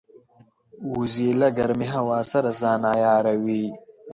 وزې له ګرمې هوا سره ځان عیاروي